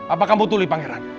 apa kamu tuli bang heran